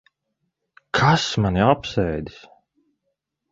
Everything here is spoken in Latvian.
Kas mani apsēdis?